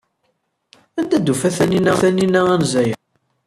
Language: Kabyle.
Anda ay d-tufa Taninna anza-a?